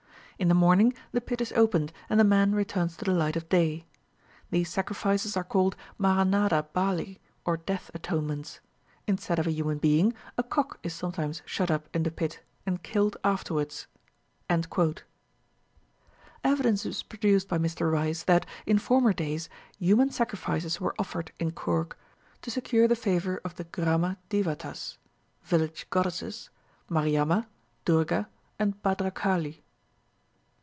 In the morning the pit is opened, and the man returns to the light of day. These sacrifices are called maranada bali, or death atonements. Instead of a human being, a cock is sometimes shut up in the pit, and killed afterwards." Evidence is produced by Mr Rice that, in former days, human sacrifices were offered in Coorg, to secure the favour of the Grama Devatas (village goddesses) Mariamma, Durga, and Bhadra Kali.